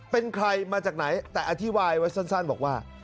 เป็นใครมาจากไหนแต่อธิบายไว้สั้นบอกว่า